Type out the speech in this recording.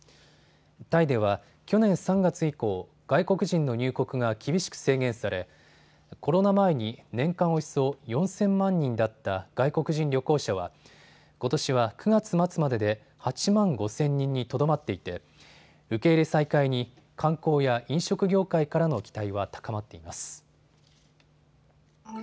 タイでは去年３月以降、外国人の入国が厳しく制限されコロナ前に年間およそ４０００万人だった外国人旅行者はことしは９月末までで８万５０００人にとどまっていて受け入れ再開に観光や飲食業界からの期待は高まっています。